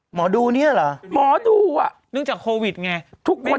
หมอดูเนี่ยเหรอหมอดูอ่ะเนื่องจากโควิดไงทุกคน